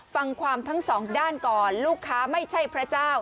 ฟังความทั้งสองด้านก่อนลูกค้าไม่ใช่พระเจ้า